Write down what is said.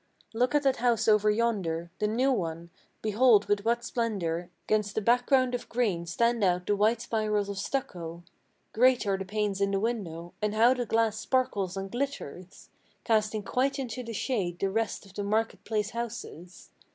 Look at that house over yonder, the new one; behold with what splendor 'Gainst the background of green stand out the white spirals of stucco! Great are the panes in the windows; and how the glass sparkles and glitters, Casting quite into the shade the rest of the market place houses!